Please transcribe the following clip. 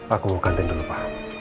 aku mau ke kantin dulu pa